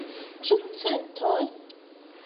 Ĉu centoj?